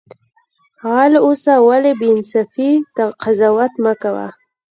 غل اوسه ولی بی انصافی قضاوت مکوه